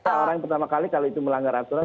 kalau orang pertama kali melanggar aturan